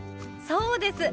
そうです。